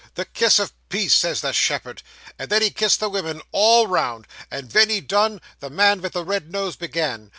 "The kiss of peace," says the shepherd; and then he kissed the women all round, and ven he'd done, the man vith the red nose began.